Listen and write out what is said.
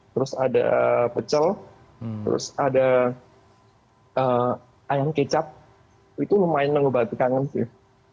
terus ada pecel terus ada ayam kecap itu lumayan mengobati kangen sih